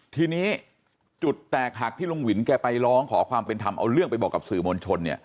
ทีนี้จุดแตกหักที่ลุงวินแกไปร้องขอความเป็นธรรมเอาเรื่องไปบอกกับสื่อมวลชน